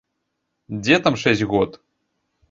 Дзе там шэсць год!